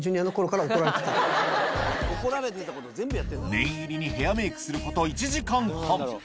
念入りにヘアメイクすること１時間半